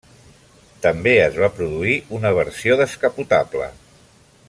També es va produir una versió descapotable.